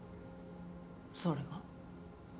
それが？